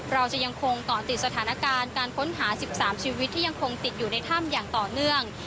เราจะยังคงเกาะติดสถานการณ์การค้นหา๑๓ชีวิตที่ยังคงติดอยู่ในถ้ำอย่างต่อเนื่อง